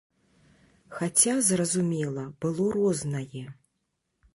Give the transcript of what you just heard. Хаця, зразумела, было рознае.